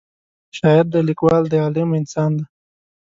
شاعر دی لیکوال دی عالم انسان دی